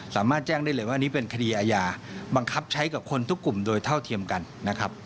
สามารถแจ้งได้เลยว่านี่เป็นคดีอาญาบังคับใช้กับคนทุกกลุ่มโดยเท่าเทียมกันนะครับ